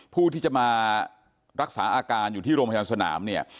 ผู้ที่จะมารักษาอาการอยู่ที่โรงพยาบาลสนามเนี่ย